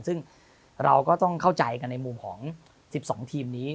ซึ่งเราก็ต้องเข้าใจกันในมุมของ๑๒ทีมนี้